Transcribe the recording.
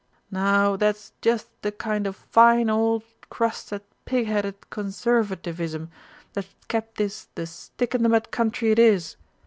Now that's just the kind of fine old crusted pig headed Conservativism that's kept this the stick in the mud Country it is!